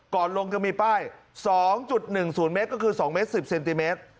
ก่อนลงจะมีป้าย๒๑๐เมตรก็คือ๒เมตร๑๐เซนติเมตร